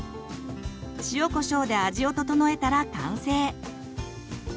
塩コショウで味を調えたら完成。